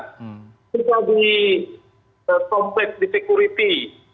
kita dikompleks di security